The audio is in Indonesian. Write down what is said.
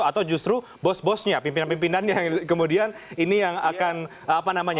atau justru bos bosnya pimpinan pimpinannya yang kemudian ini yang akan apa namanya